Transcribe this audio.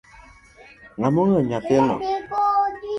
Ngama ogoyo nyathino?